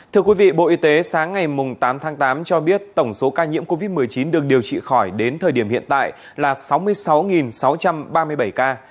thưa quý vị bộ y tế sáng ngày tám tháng tám cho biết tổng số ca nhiễm covid một mươi chín được điều trị khỏi đến thời điểm hiện tại là sáu mươi sáu sáu trăm ba mươi bảy ca